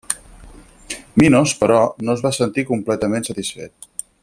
Minos però, no es va sentir completament satisfet.